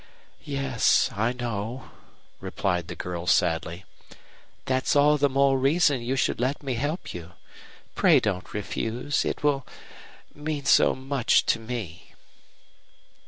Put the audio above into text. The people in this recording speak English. "Yes, I know," replied the girl, sadly. "That's all the more reason you should let me help you. Pray don't refuse. It will mean so much to me."